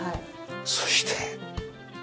そして。